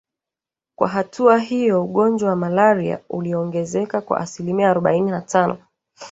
Kwa hatua hiyo ugonjwa wa malaria uliongezeka kwa asilimia arobaini na tano